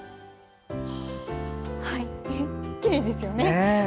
きれいですよね。